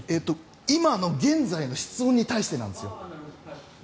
今の現在の室温に対してなんですよ。